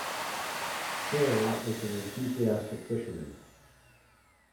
Hearn is an enthusiastic fisherman.